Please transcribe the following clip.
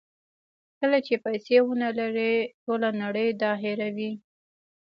کله چې پیسې ونلرئ ټوله دنیا دا هیروي.